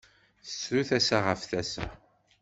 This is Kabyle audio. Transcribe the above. Tettru tasa ɣef tasa.